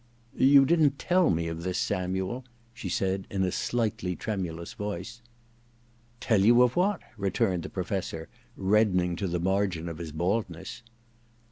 *You didn't tell me of this, &muel,* she said in a slightly tremulous voice. >* Tell you of what }' returned the Professor, reddening to the margin of his baldness.